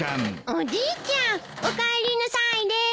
おじいちゃんおかえりなさいです。